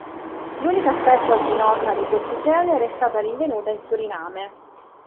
L'unica specie oggi nota di questo genere è stata rinvenuta in Suriname.